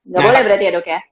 nggak boleh berarti ya dok ya